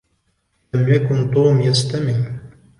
لم يكن توم يستمع.